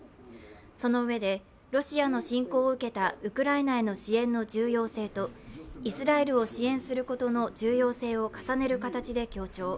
そのうえでロシアの侵攻を受けたウクライナへの支援の重要性とイスラエルを支援することの重要性を重ねる形で強調。